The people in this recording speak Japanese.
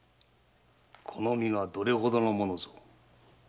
この身がどれほどのものじゃ。